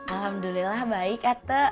alhamdulillah baik ate